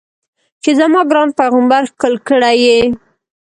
چې زما ګران پیغمبر ښکل کړی یې.